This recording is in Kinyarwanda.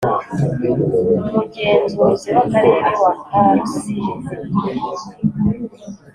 Umugenzuzi w akarere wa ka rusizi